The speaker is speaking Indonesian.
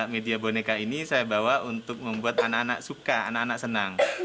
media boneka ini saya bawa untuk membuat anak anak suka anak anak senang